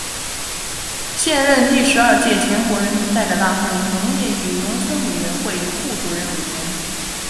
现任第十二届全国人民代表大会农业与农村委员会副主任委员。